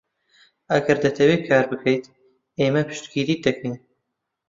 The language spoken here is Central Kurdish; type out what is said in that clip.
ئەگەر دەتەوێت کار بکەیت، ئێمە پشتگیریت دەکەین.